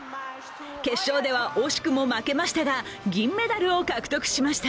決勝では惜しくも負けましたが銀メダルを獲得しました。